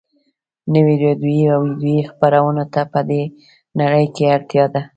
نویو راډیویي او ويډیویي خپرونو ته په دې نړۍ کې اړتیا ده